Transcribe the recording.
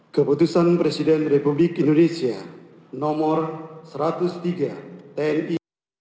keputusan presiden republik indonesia nomor satu ratus tiga tni